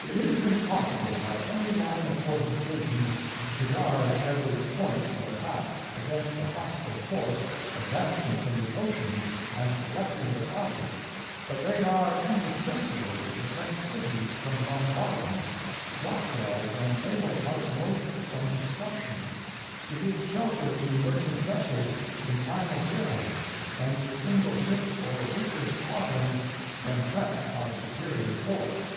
It is impossible by any line of fortifications to guard every point from attack against a hostile force advancing from the ocean and selecting its object, but they are indispensable to protect cities from bombardment, dockyards and naval arsenals from destruction, to give shelter to merchant vessels in time of war and to single ships or weaker squadrons when pressed by superior force.